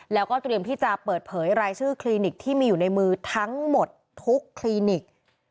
แล้วก็เตรียมที่จะเปิดเผยรายชื่อคลินิกที่มีอยู่ในมือทั้งหมดทุกคลินิก